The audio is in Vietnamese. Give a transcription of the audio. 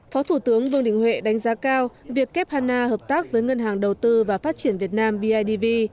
phó thủ tướng vương đình huệ đánh giá cao việc kép hà na hợp tác với ngân hàng đầu tư và phát triển việt nam bidv